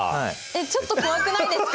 ちょっと怖くないですか